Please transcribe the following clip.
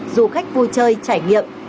du khách vui chơi trải nghiệm